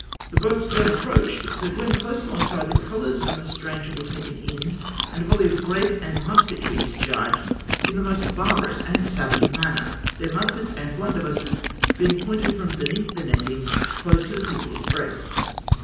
The boats then approached, but when close alongside, the colours of the stranger were taken in, and a volley of grape and mus ketry discharged in the most barbarous and savage manner, their muskets and blunderbusses being pointed from beneath the netting close to the people's breasts.